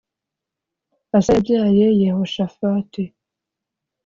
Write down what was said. Asa yabyaye Yehoshafati